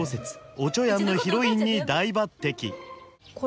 「おちょやん」のヒロインに大抜擢